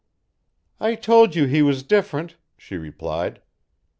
"I told you he was different," she replied.